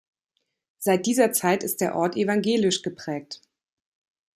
Seit dieser Zeit ist der Ort evangelisch geprägt.